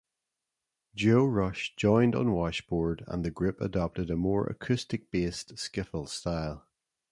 Joe Rush joined on washboard and the group adopted a more acoustic-based skiffle style.